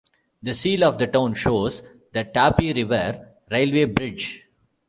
The seal of the town shows the Tapi River railway bridge.